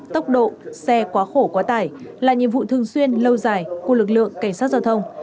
tốc độ xe quá khổ quá tải là nhiệm vụ thường xuyên lâu dài của lực lượng cảnh sát giao thông